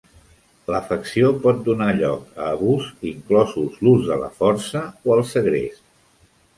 L'afecció pot donar lloc a abús, inclosos l'ús de la força o el segrest.